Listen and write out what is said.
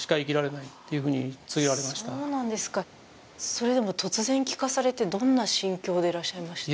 それでも突然聞かされてどんな心境でいらっしゃいました？